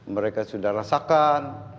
mereka sudah rasakan